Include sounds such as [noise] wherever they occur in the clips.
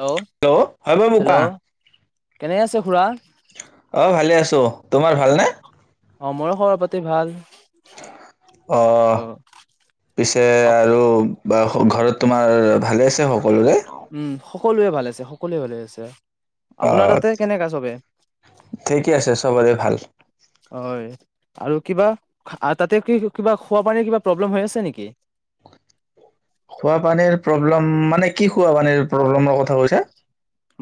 Hello hello বপা। কেনে আছে খুৰা অ, ভালে আছ তোমাৰ ভালনে? অ, ময়ো খবৰ পাতি ভাল। অ, পিছে আপ- আৰু বা ঘৰত তোমাৰ ভালে আছে সক কৰিব উম সকলোৱে ভালে আছে সকলোৱে ভালে আছে। অ, আপোনাৰ তাতে কেনেকা চবে ঠিকেই আছে চবৰে ভাল। হয় আৰু কিবা, আ তাতে কি কিবা খোৱা পানীৰ কিবা প্ৰব্লেম হৈ আছে নেকি? খোৱাপানীৰ প্ৰব্লেম মানে কি খোৱাপানীৰ প্ৰব্লেমৰ কথা কৈছা।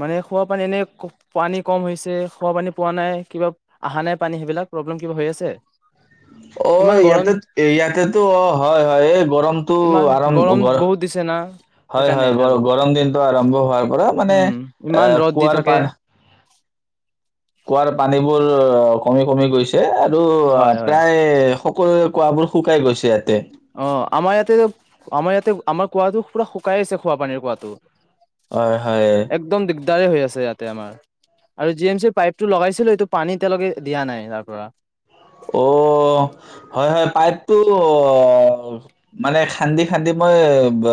মানে খোৱা পানী এনে, পানী কম হৈছে, খোৱা পানী পোৱা নাই, কিবা অহা নাই পানী সেইবিলাক প্ৰব্লেম কিবা হৈ আছে। ইমান অ', গৰম ইয়াতে ইয়াতেতো অ, হয় হয় এই গৰম ইমান আৰম্ভ গৰম গৰ, বহুত দিছে না হয় সেইকাৰণে হয় গ আৰু গৰম দিনটো আৰম্ভ হোৱাৰ পৰা মানে, উম এ ইমান ৰ'দ দি কুঁৱাৰ থাকে পাৰ পানীবোৰ কমি কমি গৈছ এ আৰু, হয় হয় প্ৰায় সকলোৱে কুৱাঁবোৰ শুকাই গৈছে ইয়াতে। অ আমাৰ ইয়াতে আমাৰ ইয়াতে আমাৰ কুঁৱাটো পুৰা শুক কাইছে খোৱা পানীৰ কুৱাঁটো। হয় হয় একদম দিগ হৈ আছে ইয়াতে আমাৰ, আৰু জি এম চিৰ পাইপটো লগাইছিলোঁ সিটো পানী এতিয়ালৈকে দিয়া নাই তাৰ পৰা। অ', হয় হয় পাইপটো, অ, মানে খান্দি খান্দি মই ব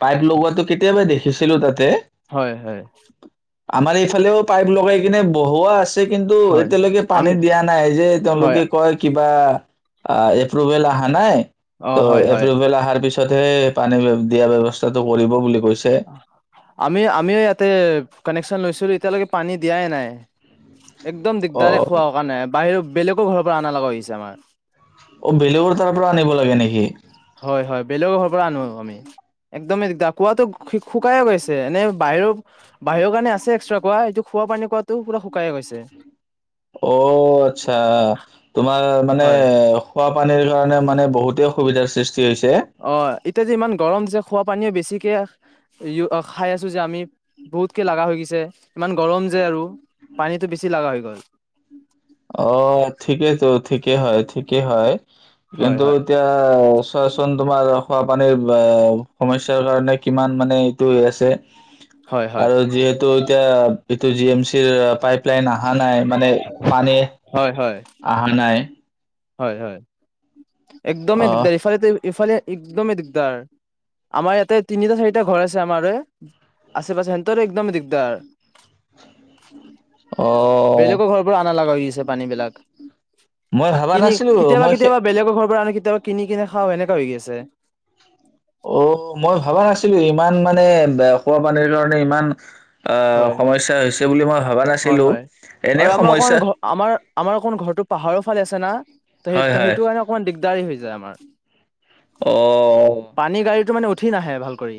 পাইপ লগোৱাটো কেতিয়াবা দেখিছিলো তাত হয় হয়। আমাৰ এইফালেও পাইপ লগাই কিনে বহুঁৱা আছ কিন্তু হয় এতিয়ালৈকে পানী আমি দিয়া নাই যে হয় তেওঁলোকে এ কিবা, এপ্ৰুভেল আহা নাই। অ হয় হয় এপ্ৰুভেল আহাৰ পিছত তাতে পানী দিয়া ব্যৱস্থাটো কৰিব বুলি কৈছ আমি আমি ইয়াতে কানেকশ্যন লৈছিলো এতিয়ালৈকে পানী দিয়াই নাই। একদম দিগদাৰে অ' খোৱা কাৰণে, বাহিৰ বেলেগ আকৌ ঘৰৰ পৰা আনা লগা হৈছে মাছ অ বেলেগৰ তাৰ পৰা আনিব লাগে নেকি? হয় হয় বেলেগৰ ঘৰৰ পৰা আনো আমি একদমে দিগদাৰ কোৱাটো শুকাই গৈছে এনে বাহিৰ বাহিৰৰ কাৰণে আছে এক্সট্ৰা কোৱা এইটো খোৱা পানী কোৱাটো পুৰা শুকাই গৈছে। অ আচ্ছা তোমাৰ মানে হয় খোৱা মানে এইবিলাকৰ কাৰণে মানে বহুতে অসুবিধ সৃষ্ অ, এতিয়া যে ইমান গৰম যে, খোৱা পানীয়ে বেছিকৈ খাই আছোঁ যে আমি, বহুতকৈ লগা হৈ গৈছে। ইমান গৰম যে আৰু, পানীটো বেছি লগা হৈ গ'ল। অ ঠিকেইেতো, ঠিকেই হয়, ঠিকেই হয়। হয় কিন্তু হয় এতিয়া চোৱাচোন তোমাৰ খোৱাাপানীৰ বা, সমস্যাৰ কাৰণে কিমান মানে এইটো হৈ আছে? হয় হয় আৰু যিহেতু এতিয়া টো জি এম চিৰ পাইপ প্লাই অহা নাই মানে পালে হয় হয় আহা নাই হয় হয়। একদমেই অ', দিগদাৰি। ইফালেটো, ইফালে একদমেই দিগদাৰ। আমাৰ ইয়াতে তিনিটা চাৰিটা ঘৰ আছে আমাৰে, আশে পাশে। সিহঁতৰো একদমেই দিগদাৰ। অ। না লগা হৈ আছে পানী বিলাক। ম‌ই ডা কিনি, কেতিয়াবা কেতিয়াবা বেলেগৰ ঘৰৰ পৰা আনি কেতিয়াবা কিনি কিনে খাওঁ এনেকা হৈ আছে। টো ইমান মানে খোৱা পানীৰ কাৰণে ইমান আহ হয় সমস্যা হৈছে বুলি মই ভাবা হয় নাছিলোঁ। হয় এনে আৰু আমাৰ অকণ সমস্যা ভালে আছে না! ত সেই হয়, হয় সেইটো কাৰণে অকমান দিগদাৰি হৈ যায় আমাৰ। অ'। পানী গাড়ীটো মানে উট ঠি নাহে ভাল কৰি।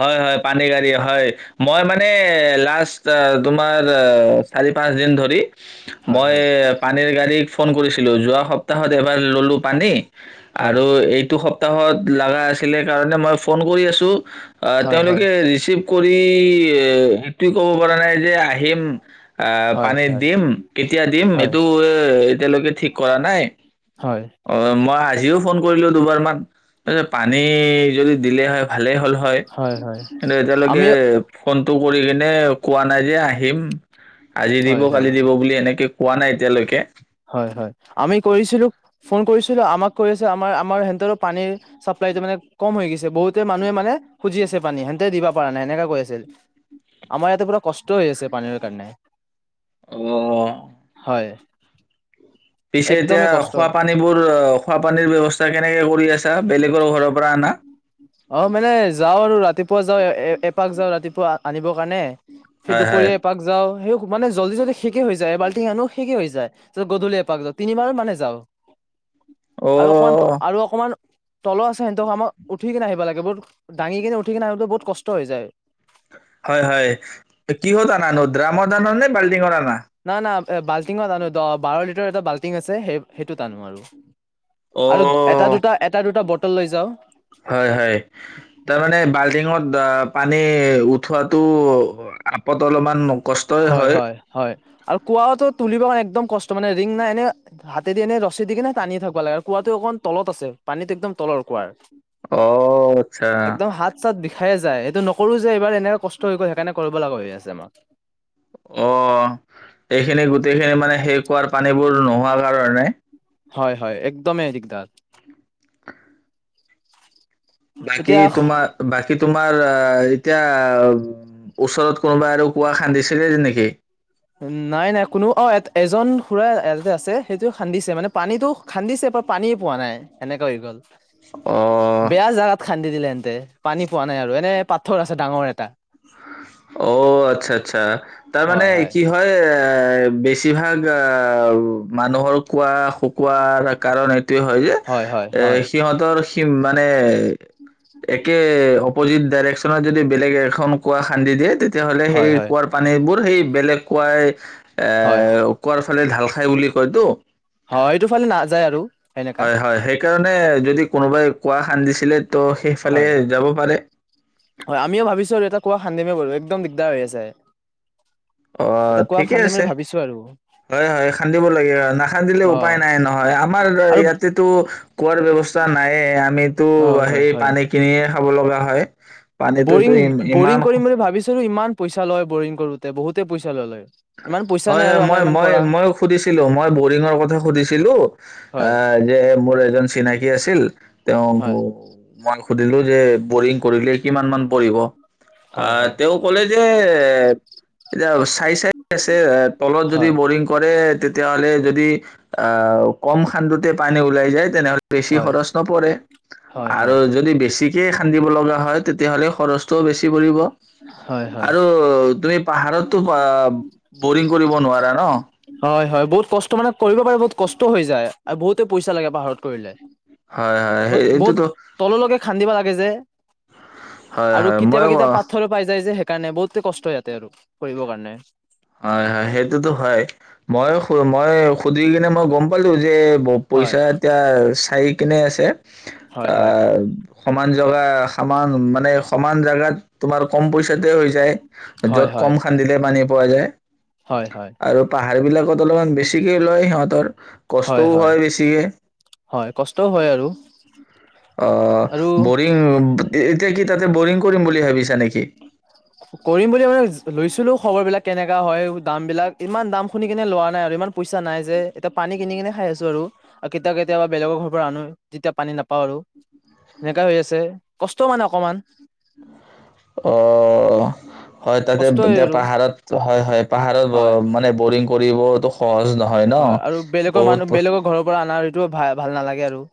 হয় হয়। পানী গাড়ী, হয়। মই মানে নে লাষ্ট অ তোমাৰ চাৰি পাঁচ দিন ধৰি হয় মই হয় পানীৰ গাড়ীত ফোন কৰিছিলোঁ। যোৱা সপ্তাহত এবাৰ ল'লোঁ পানী। হয় আৰু এইটো সপ্ প্তাহত লাগা আছিলে কাৰণে মই ফোন কৰি আছোঁ। অ, হয় হয় তেওঁলোকে ৰিচিভ কৰি, এ সেইটোও ক'ব পৰা নাই যে আহিম। আহ হয় পানী দিম কেতিয়া দিম হয় এইটো এতিয়ালৈকে ঠিক কৰা নাই, হয় অ মই আজিও ফোন কৰিলো দুবাৰমান। পানী যদি দিলে হয়। ভালেই হ'ল হয়। [unintelligible] এতিয়ালৈকে আমি ফোন টো কৰি কেনে কোৱা নাই যে আহিম। আজি দিব, হয় হয় কালি দিব বুলি এনেকে। কোৱা নাই এতিয়া লৈকে। হয় হয়। আমি কৰিছিলোঁ। ফোন কৰিছিলোঁ। আমাক কৈ আছে আমাৰ, আমাৰ হেন্তলৰ পানীৰ চাপ্লাইটো মানে কম হয় হৈ গৈছে। বহুতে মানুহে মানে খুজি আছে পানী হেন্তে দিব পৰা নাই সেনেকে কৈ আছে। আমাৰ ইয়াতে পোৰা কষ্ট হৈ আছে পানীৰ কাৰণে। অহ। হয়। পিছে এতিয়া একদমেই কষ্ট খোৱাপানী বোৰ, অ খোৱাপানীৰ ব্যৱস্থা কেনেকে কৰি আছ? [unintelligible] বেলেগৰ ঘৰ পৰা অনা? অ মানে যাওঁ আৰু ৰাতিপ। পুৱা যাওঁ, এপাক যাওঁ ৰাতিপুৱা আনিবৰ কাৰণে। সেই হয় হয় দুপৰীয়া এপাক যাওঁ। সেই। মানে জল্দি-জল্দি শেষে হৈ যায়। এবলটিং আনো শেষে হৈ যায়। তাৰিছত গধূলি এপাক যাওঁ, তিনিবাৰ মানো যাওঁ। অ আৰু অকমান ত আৰু অকমান। তল আছে সিহঁতক [unintelligible] উঠি কেনে আহিব লাগে। [unintelligible] দাঙি কেনে উঠি কেনে [unintelligible] বহুত কষ্ট হৈ যায়। হয় হয়। কিহত আনা নো? দ্ৰাম মত আনানে? বালটিংত আনা? না না এ বাল্টিঙত আটনো দ বাৰ লিটাৰ এটা বাল্টিং আছে সেই সেইটোত আনো আৰু। অ আৰু এটা দুটা, এটা দুটা বৰ হোটেল লৈ যাওঁ। টিঙত পানী উঠোৱাটো আপত অলপমান হয়, হয়, হয় আৰু কোৱাটো তুলিব কাৰণে একদম কষ্ট মানে ৰিং নাই এনে হাতেদি এনে ৰছী দি কিনে টানি থাকিব লাগে। কুঁৱাতটো অকণ তলত আ পানীটো একদম তলৰ কুৱাৰ। অ আচ্ছা একদম হাত-চাত বিষায়ে যায় সেইটো নক সৰু যে এইবাৰ এনেকে কষ্ট হৈ গ'ল সেইকাৰণে কৰিব লগা হৈ আছে আমাক। অ এইখিনি গোটেইখিনি মানে সেই কুঁৱাৰ পানীবোৰ নোহোৱা কাৰণে হয় হয় একদমেই দিগদাৰ বাকী এতিয়া তোমাৰ, বাকী তোমাৰ আহ এতিয়া ওচৰত কোনোবা আৰু কুঁৱা খান্দিছিলে নেকি? নাই নাই কোনো, অ এজন খুৰা এয়াতে আছে সেইটো খান্দিছে মানে পানীটো খান্দিছে বাত পানীয়ে পোৱা নাই সেনেকা হৈ গ'ল। অ', বেয়া জেগাত খান্দি দিলেহেতে পানী পোৱা নাই আৰু এনে পাথৰ আছে ডাঙৰ এটা অ আচ্ছা আচ্ছা তাৰমানে কি হয় হয় বেছিভাগ মানুহৰ কোৱা শুকোৱাৰ কাৰণ োৱ হয় যে হয় এ হয় সিহঁতৰ কিম মানে একে অপজিত ডাইৰেকশ্যনত যদি বেলেগ এখন কুৱা খান্দি দিয়ে তেতিয়াহ'লে সেই হয় হয় কুঁৱাৰ পানীবোৰ সেই বেলেগ কোৱাই এ হয় কাল ঢাল খাই বুলি কয় তো হয় এইটো ফালে নাযায় আৰু সেনেকা হয় হয় সেই সেইকাৰণে যদি কোনোবাই কোৱা সান্দিছিলে ত' সেইফালে হয় যাব পাৰে হয় আমিও ভাবিছো আৰু এটা কুৱা খান্দিমে বাৰু একদম দিগদাৰ হৈ আছে অ এটা কুঁৱা ঠিকে খান্দিম আছে বুলি ভাবিছো আৰু হয় হয় খান্দিব লাগে নাখান্দিলে অ উপায় নাই নহয় আমাৰ আৰু ইয়াতেতো কোৱাৰ ব্য্ৱস্থা া নাইে আ আমিতো হয় হয় সেই হয় পানী কিনিয়ে খাব লগা হয় পানীটোতো বৰিং ইম- বৰিং ইমান কৰিম বুলি ভাবিছিলো ইমান পইচা লয় বৰিং কৰোতে বহুতেই পইচা লয় লয় ইমান পইচা হয় নাই আৰু হয় আমাৰ মই ইমান মই কৰা মইো সুধিছিলো মই বৰিঙৰ কথা সুধিছিলো হয় যে মোৰ এজন চিনাকি কি আছিল তেওঁ হয় মই সুধিলো যে বৰিং ক হয় হয় তলত যদি হয় বৰিং কৰে তেতিয়াাহলে যদি আহ কম খান্দতে পানী ওলাই যায় তেনেহলে বেছি হয় খৰচ নপৰে হয় আৰু হয় যদি বেছি এক খান্দিব লগা হয় তেতিয়াহ'লে খৰচটোও বেছি কি কৰিব হয় হয় আৰু তুমি পাহাৰতো অ বৰিং কৰিব নোৱাৰা ন অঁ হয় হয় বহুত কষ্ট মানে কৰিব পাৰে বহুত কষ্ট হৈ যায় আৰু বহুতে পইচা লাগে পাহাৰত কৰিলে হয় হয় এইটোতো এইযে হয় আৰু হয় মই কেতিয়াবা কেতিয়া পাথৰ পাই যায় যে কাৰণে বহুত কষ্ট ইয়াতে আৰু পঢ়ৰ কাৰণে হয় হয় সেইটোতো হয় মই মই সুধি কিনে মই গম পালো যে বহ হয় পইচা এতিয়া হাৰি কিনে আছে। হয় হয় আহ সমান জেগা সমান মানে সমান জোগাত তোমাৰ কম পইচাতে হৈ যায়। হয় যত কম হয় খান্দিলে মানি পোৱা যায় হয় হয় আৰু পাহাৰ বিলাক কত অলপমান বেছিকে লয় সিহঁতৰ হয় কষ্টও হয় বেছিকে হয় কষ্টও হয় আৰু অ আৰু বৰিং এতিয়া কি তাতে বৰিং কৰিম বুলি ভাবি নেকি কি কৰিম বুলি আাক লৈছিলো খবৰ বিলাক কেনেককা হয় দাম বিলাক ইমান দাম শুনি কিনে লোৱা নাই আৰু ইমান পইচা নাই যে এতিয়া পানী কিনি কিনে খাই আছো আৰু কেতিয়াবা কেতিয়াবা বেলেগৰ ঘৰ পৰা আনো যেতিয়া পানী নাপাওঁ আৰু এনেকা হৈ আছে। কষ্ট মানে অকমান অ হয় তাতে কষ্টই এতিয়া আৰু পাহাৰত হয় হয় পাহাৰত হয় মানে বৰিং কৰিবতটো সহজ নহয় ন। হয় আৰু বেলেগৰ বহুত মানুহ বেলেগৰ ঘৰৰ পৰা অনা ঋটো ভাল ভাল নালাগে আৰু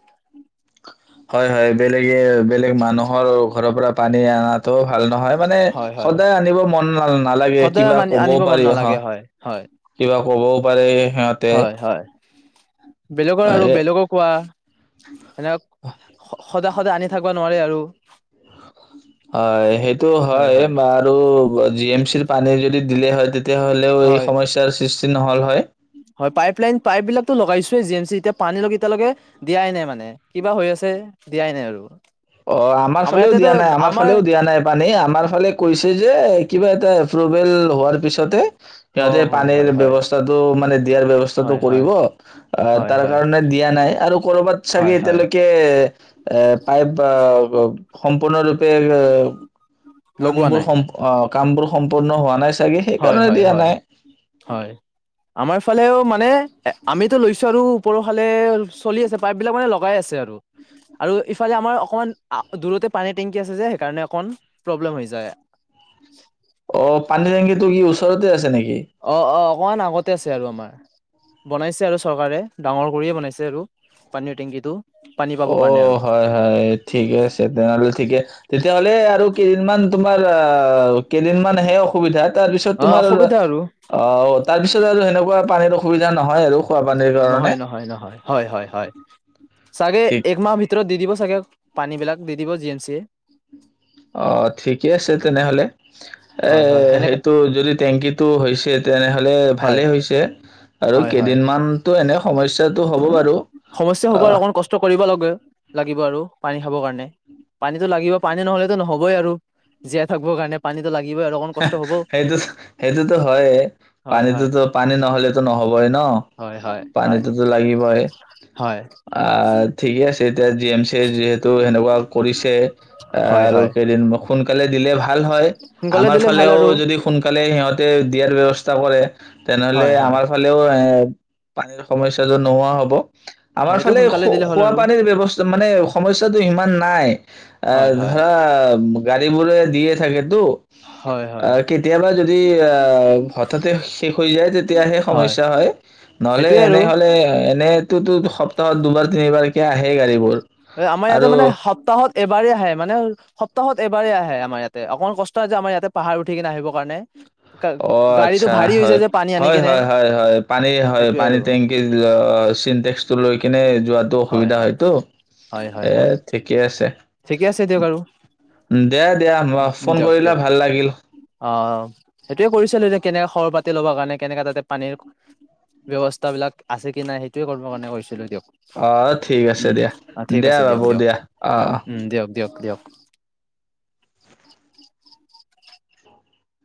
হয় হয় বেলেগে বেলেগ মানুহৰ ঘৰৰ পৰা পানী অনাতো ভাল নহয়। মানে হয় হয় সদায় আনিব মন নাল নালাগে সদায় কিবা মানি ক'বও আনিব মন পাৰি হহ নালাগে হয় হয় কিবা ক'বও পাৰেি সিহঁতে [inaudible] বেলেগৰ আৰু এ বেলেগক কোৱা সেনেকৈ সদায় সদায় আনি থাকিব নোৱাৰে আৰু হয় সেইটো হয় আৰু জি এম চিৰ পানী যদি দিলে হয় তেতিয়াহ'লেও এই হয় সমস্যাৰ সৃষ্টি নহল হয় হয় পাইপ লাইন পাইপ বিলাকো লগাইছোে জি এম চি এতিয়া পানী লগ এতিয়ালৈকে দিয়াই নাই মানে কিবা হৈ আছে দিয়াই নাই আৰু অঁ আমাৰ ফালেও দিয়া নাই আমাৰ ফালেও দিয়া নাই পানী আমাৰ ফালে কৈছে যে কিবা এটা এপ্ৰোভেল হোৱাৰ পিছতে অ সিহঁতে হয় পানীৰ হয় হয় ব্যৱস্থাৰ মানে দিয়াৰ ব্যৱস্থাটোৰ হয় কৰিব হয় আঁহ হয় তাৰ হয় কাৰণে দিয়া নাই আৰু কৰবাত চাগে হয় হয় এতিয়ালৈকে এ পাইপ সম্পূৰ্ণৰূপে লগোৱা কণবোৰ নাই সম কাম বোৰ সম্পূৰ্ণ হোৱা নাই চাগে হয় সেইকাৰণে হয় দিয়া হয় নাই হয় আমাৰ ফালেও মানে আমিতো লৈছো আৰু ওপৰৰ ফালে চলি আছে পাইপ বিলাক মানে লগাই আছে আৰু আৰু ইফালে আমাৰ অকমান দূৰতে পানীৰ টেংকি আছে যে সেইকাৰণে অকমান প্ৰব্লেম হৈ যায় অ পানী টেংকিটো কি আছে নেকি অঁ অঁ অকনমান আগতে আছে আৰু আমাৰ বনাইছে আৰু চৰকাৰে ডাঙৰ কৰিয়ে বনাইছে আৰু পানীয় টেংকিটো পানী পাবৰ কাৰণে অঁ আৰু হয় হয় ঠিকে আছে তেনেহ'লে ঠিকে তেতিয়াহ'লে আৰু কেইদিনমান তোমাৰ আঁহ কেইদিনমানহে অসুবিধাত তাৰ পিছত অ তোমাৰ অসুবিধা আৰু অঁ তাৰপিছত আৰু সেনেকুৱা পানীৰ অসুবিধা নহয় আৰু খোৱা পানীৰ কাৰণে নহয় নহয় নহয় হয় হয় চাগে ঠিক এক মাহ ভিতৰত দি দিব চাগে চাগে পানী বিলাক দি দিব জি এম চি অঁ ঠিকে আছে তেনেহলে এ হয় হয় সেনেকে সেইটো যদি টেংকিত তটো হৈছে তেনেহ'লে হয় ভালেই হৈছে আৰু হয় হয় কেইদিনমানতো এনে সমস্যাটো হ'ব বাৰু সমস্যা হ'ব আৰু অকণ কষ্ট কৰিব লাগে লাগিব আৰু পানী খাব কাৰণে পানীতটো লাগিব পানী নহলেতো নহবই আৰু জীয়াই থাকিব কাৰণে পানীতটো লাগিব সেইটো, সেইটোতো হয়ে। হয় হয় পানীটোতো পানী নহলেতো নহবই ন? হয় হয় হয় পানীটোতো লাগিবই। হয় আহ ঠিকে আছে এতিয়া জি এম চি যিহেতু, সেনেকুৱা কৰিছে হয় আৰু হয় কেইদিন সোনকালে দিলে ভাল। হয়। সোনকালে আমাৰ দিলে ভাল ফালেও আৰু যদি সোনকালে সিহঁতে দিয়াৰ ব্যৱস্থা কৰে। তেনেহ'লে হয় হয় আমাৰ ফালেও এ পানীৰ সমস্যাটো নোহোৱা হ'ব। হয় আমাৰ সেইটো ফালে সোনকালে দিলে হ'ল আৰু খোৱাাপানীৰ ব্যৱস্থা মানে সমস্যাটো ইমান নাই। হয় আহ হয় ধৰা গাড়ী বোৰে দিয়ে থাকেতো। হয় হয় আহ কেতিয়াবা যদি আহ হঠাতে শেষ হৈ যায় তেতিয়াহে সমস্যা হয় নহলে সেইটোয়ে আৰু এনেহলে এনে এইটোতো সপ্তাহত দুবাৰ তিনিবাৰ কে আহেই গাড়ীবোৰ। আমাৰ ইয়াতে আৰু মানে সপ্তাহত এবাৰেই আহে, মানে সপ্তাহত এবাৰেই আহে আমাৰ ইয়াত। অকমান কষ্ট হয় যে আমাৰ ইয়াতে পাহাৰ উঠি কিনে আহিব কাৰণে। অ', গাড়ীটো আচ্ছা ভাৰী হৈ হয়, যায় যে পানী আনি হয়, কিনে হয়, হয়, হয় পানী হয় সেইটোয়ে পানী আৰু টেংকি চিটেক্সটো লৈ কিনে যোৱাতো হয় অসুবিধা হয় হয়তটো। হয় হয় এ হয় ঠিকে আছে ঠিকে আছে দিয়ক আৰু দে-দিয়া ফোন দিয়ক কৰিলে দিয়ক ভাল লাগিল। অ', সেইটোয়ে কৰিছিলো এতিয়া কেনেকে খবৰ পাতি লব কাৰণে কেনেকা তাতে পানীৰ ব্যৱস্থাবিলাক আছে কি নাই? সেইটোৱে কৰিবৰ কাৰণে কৰিছিলো দিয়ক। আহ ঠিক আছে উম দিয়া ঠিক দিয়া। আছে দিয়ক বাবু দিয়ক দিয়া অ, অ। উম দিয়ক দিয়ক দিয়ক